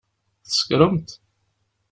Tsekṛemt?